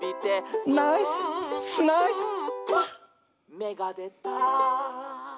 「めがでた！」